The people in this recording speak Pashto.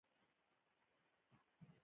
لعل د افغانستان په طبیعت کې مهم رول لري.